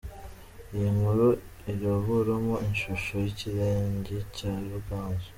Iyi nkuru iraburamo ishusho y'ikirenge cya Ruganzu.